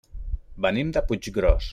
Venim de Puiggròs.